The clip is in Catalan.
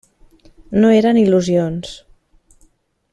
No eren il·lusions.